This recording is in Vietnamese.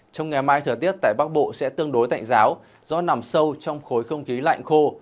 trong ngày mai thời tiết tại bắc bộ sẽ tương đối tạnh giáo do nằm sâu trong khối không khí lạnh khô